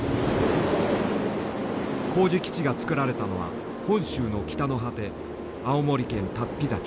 工事基地が造られたのは本州の北の果て青森県竜飛崎。